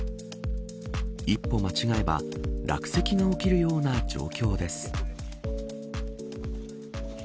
一歩間違えば落石の起きるような状況です。